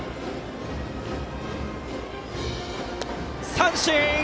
三振！